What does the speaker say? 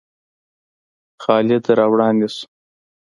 خالد را وړاندې شو.